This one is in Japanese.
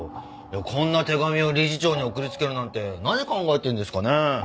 こんな手紙を理事長に送りつけるなんて何考えてるんですかね？